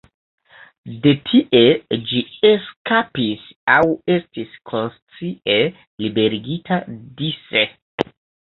De tie ĝi eskapis aŭ estis konscie liberigita dise.